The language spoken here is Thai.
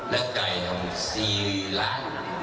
และไก่ของสี่ล้าน